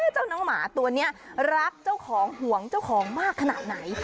เจ้าน้องหมาตัวนี้รักเจ้าของห่วงเจ้าของมากขนาดไหน